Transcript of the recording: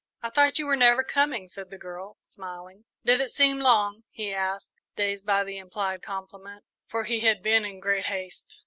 "I thought you were never coming," said the girl, smiling. "Did it seem long?" he asked, dazed by the implied compliment, for he had been in great haste.